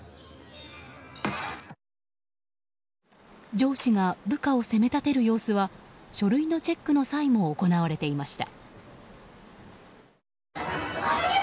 上司が部下を責め立てる様子は書類のチェックの際も行われていました。